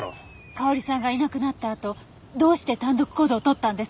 香織さんがいなくなったあとどうして単独行動をとったんですか？